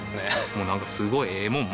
もうなんかすごいええもん